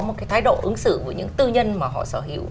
một cái thái độ ứng xử với những tư nhân mà họ sở hữu